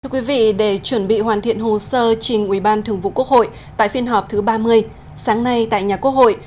thưa quý vị để chuẩn bị hoàn thiện hồ sơ trình ubthqh tại phiên họp thứ ba mươi sáng nay tại nhà quốc hội